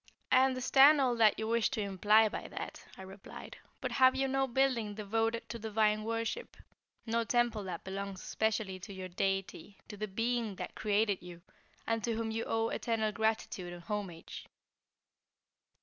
"I understand all that you wish to imply by that," I replied. "But have you no building devoted to divine worship; no temple that belongs specially to your Deity; to the Being that created you, and to whom you owe eternal gratitude and homage?"